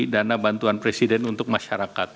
dana bantuan presiden untuk masyarakat